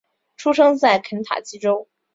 出生在肯塔基州。